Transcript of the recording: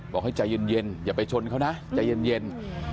บอกให้ใจเย็นอย่าไปชนเขานะใจเย็น